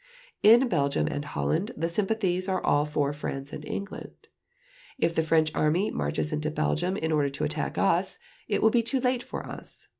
In Belgium and Holland the sympathies are all for France and England .... If the French Army marches into Belgium in order to attack us, it will be too late for us.